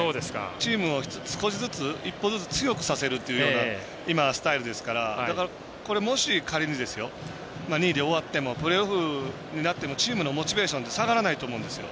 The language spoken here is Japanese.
チームを少しずつ１歩ずつ強くさせるというような今、スタイルですからだから、もし仮に２位で終わってもプレーオフになってもチームのモチベーションって下がらないと思うんです。